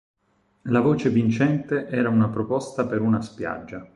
La voce vincente era una proposta per una "spiaggia".